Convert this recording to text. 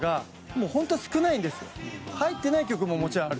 入ってない曲ももちろんある。